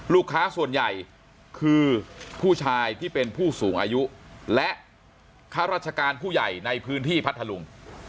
ลูกค้าส่วนใหญ่คือผู้ชายที่เป็นผู้สูงอายุและข้าราชการผู้ใหญ่ในพื้นที่พัทธลุง